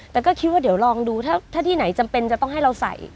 แต่ก็คิดว่าเดี๋ยวลองดูถ้าที่ไหนจำเป็นจะต้องให้เราใส่